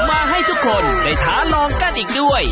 มาให้ทุกคนได้ท้าลองกันอีกด้วย